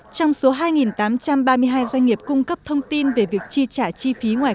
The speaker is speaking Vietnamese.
trong số hai tám trăm ba mươi hai doanh nghiệp cung cấp thông tin về việc chi trả chi phí ngoài